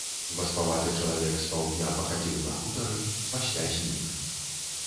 Васпаваты чалавек з паўдня пахадзіў на хутары, пасля знік.